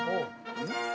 うん？